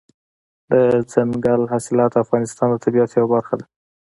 دځنګل حاصلات د افغانستان د طبیعت یوه برخه ده.